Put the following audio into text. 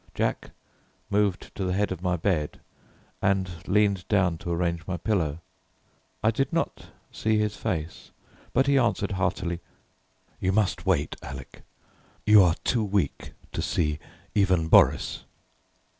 Jack moved to the head of my bed, and leaned down to arrange my pillow: I did not see his face, but he answered heartily, "You must wait, Alec; you are too weak to see even Boris."